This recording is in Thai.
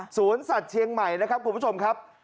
สวนสัตว์เชียงใหม่นะครับคุณผู้ชมครับ